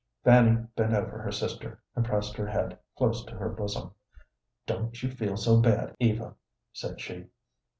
Fanny bent over her sister, and pressed her head close to her bosom. "Don't you feel so bad, Eva," said she.